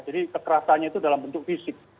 jadi kekerasannya itu dalam bentuk fisik